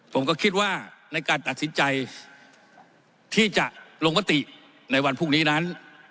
ผมก็คิดว่าในการตัดสินใจที่จะลงมติในวันพรุ่งนี้นั้น